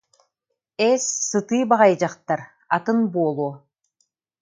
Эс, сытыы баҕайы дьахтар, атын буолуо